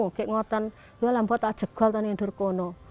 ngek ngotan ya lambo tak jegol tan indur kono